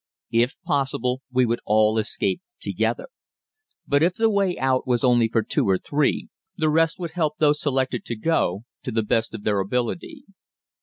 If possible, we would all escape together; but if the way out was only for two or three, the rest would help those selected to go to the best of their ability.